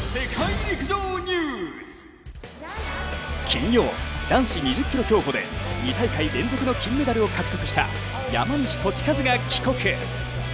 金曜、男子２０ｋｍ競歩で２大会連続の金メダルを獲得した山西利和が帰国。